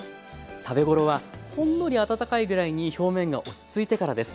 食べごろはほんのり温かいぐらいに表面が落ち着いてからです。